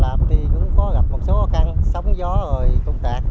lạp thì cũng có gặp một số khó khăn sóng gió rồi công tạc